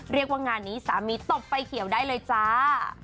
เรียกว่างานนี้สามีตบไฟเขียวได้เลยจ้า